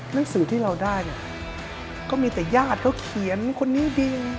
หนังสือที่เราได้เนี่ยก็มีแต่ญาติเขาเขียนคนนี้ดี